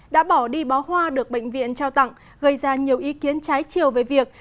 đã bỏ đi bó hoa được bệnh viện trao tặng gây ra nhiều ý kiến trái chiều về việc